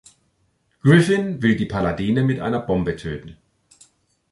Griffin will die Paladine mit einer Bombe töten.